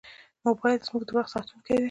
موبایل زموږ د وخت ساتونکی دی.